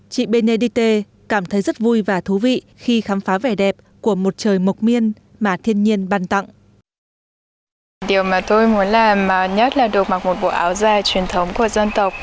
chị benededite cảm thấy rất vui và thú vị khi khám phá vẻ đẹp của một trời mộc miên mà thiên nhiên bàn tặng